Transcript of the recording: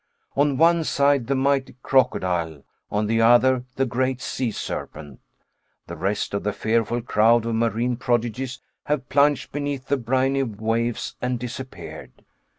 On one side the mighty crocodile, on the other the great sea serpent. The rest of the fearful crowd of marine prodigies have plunged beneath the briny waves and disappeared!